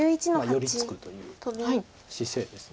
寄り付くという姿勢です。